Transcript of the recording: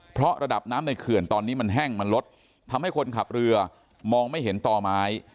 เพราะระดับน้ำในเขื่อนตอนนี้มันแห้งมันลดทำให้คนขับเรือมองไม่เห็นต่อไม้